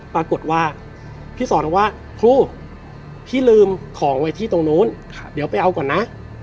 ปรากฏว่าพี่สอนว่าครูพี่ลืมของไว้ที่ตรงนู้นเดี๋ยวไปเอาก่อนนะ